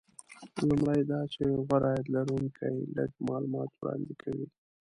لومړی دا چې غوره عاید لرونکي لږ معلومات وړاندې کوي